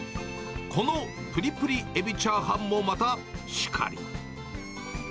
このぷりぷりエビチャーハンもまたしかり。